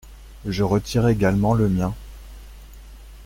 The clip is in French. Je retire également le mien.